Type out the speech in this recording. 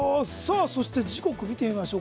そして、時刻見てみましょう。